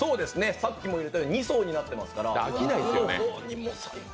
さっきも言ったように２層になってますから。